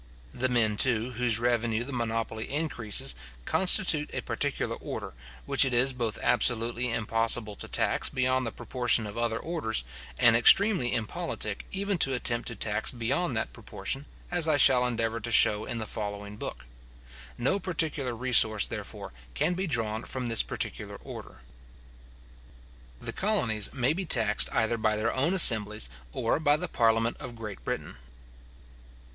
The men, too, whose revenue the monopoly increases, constitute a particular order, which it is both absolutely impossible to tax beyond the proportion of other orders, and extremely impolitic even to attempt to tax beyond that proportion, as I shall endeavour to show in the following book. No particular resource, therefore, can be drawn from this particular order. The colonies may be taxed either by their own assemblies, or by the parliament of Great Britain.